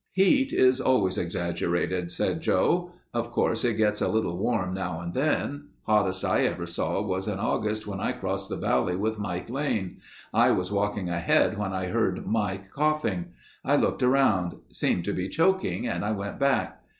"Heat is always exaggerated," said Joe. "Of course it gets a little warm now and then. Hottest I ever saw was in August when I crossed the valley with Mike Lane. I was walking ahead when I heard Mike coughing. I looked around. Seemed to be choking and I went back.